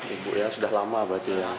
ibu ya sudah lama berarti ya